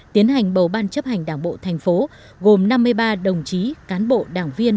tiến hành bầu ban chấp hành đảng bộ thành phố gồm năm mươi ba đồng chí cán bộ đảng viên